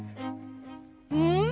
うん！